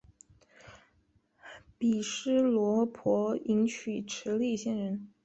毗尸罗婆迎娶持力仙人。